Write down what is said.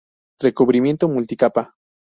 Recubrimiento multicapa.